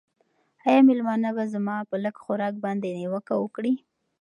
آیا مېلمانه به زما په لږ خوراک باندې نیوکه وکړي؟